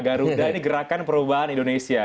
garuda ini gerakan perubahan indonesia